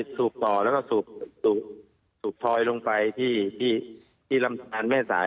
สูบต่อแล้วก็สูบพลอยลงไปที่ลำทานแม่สาย